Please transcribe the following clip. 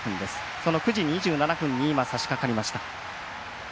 その９時２７分に今さしかかりました。